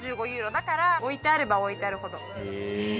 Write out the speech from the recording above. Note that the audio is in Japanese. だから置いてあれば置いてあるほど。